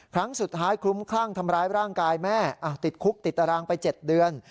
ครั้งสุดท้ายคลุ้มคลั่งทำร้ายร่างกายแม่ติดคุกติดตารางไป๗เดือน